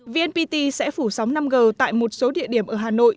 vnpt sẽ phủ sóng năm g tại một số địa điểm ở hà nội